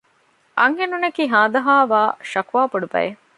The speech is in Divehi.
އަންހެނުންނަކީ ހާދަހާވާ ޝަކުވާ ބޮޑު ބައެއް